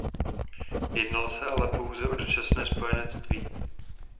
Jednalo se ale pouze o dočasné spojenectví.